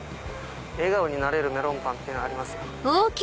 笑顔になれるメロンパンありますよ。